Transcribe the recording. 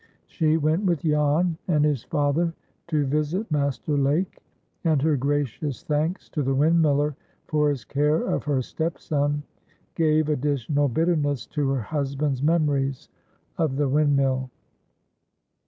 She went with Jan and his father to visit Master Lake, and her gracious thanks to the windmiller for his care of her step son gave additional bitterness to her husband's memories of the windmill.